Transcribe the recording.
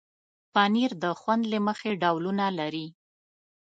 پنېر د خوند له مخې ډولونه لري.